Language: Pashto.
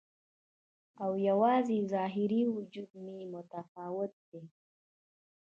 او یوازې ظاهري وجود مې متفاوت دی